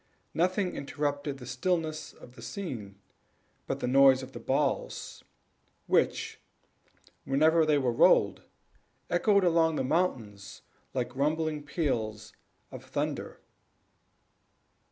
Nothing interrupted the stillness of the scene but the noise of the balls, which, whenever they were rolled, echoed along the mountains like rumbling peals of thunder.